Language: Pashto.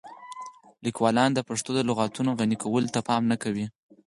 لیکوالان د پښتو د لغتونو غني کولو ته پام نه کوي.